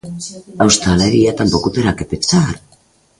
A hostalería tampouco terá que pechar.